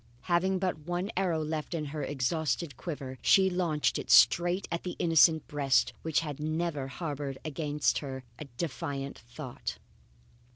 Having but one arrow left in her exhausted quiver, she launched it straight at the innocent breast which had never harboured against her a defiant thought.